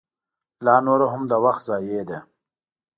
لا نوره هم د وخت ضایع ده.